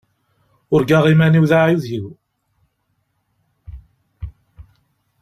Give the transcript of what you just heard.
Urgaɣ iman-iw d aεewdiw.